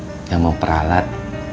mereka yang memperalat